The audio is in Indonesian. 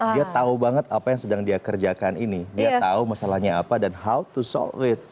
dia tau banget apa yang sedang dia kerjakan ini dia tau masalahnya apa dan how to solve it